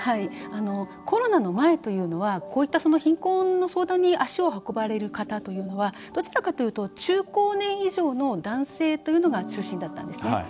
コロナの前というのはこういった貧困の相談に足を運ばれる方というのはどちらかというと中高年以上の男性というのが中心だったんですね。